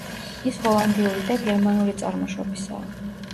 ის ჰოლანდიური და გერმანული წარმოშობისაა.